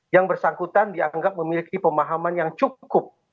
yang bersangkutan dianggap memiliki pemahaman yang cukup